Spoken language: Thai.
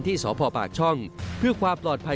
สพปากช่องเพื่อความปลอดภัย